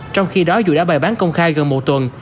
trong khi đó dù đã bày bán công khai gần một tuần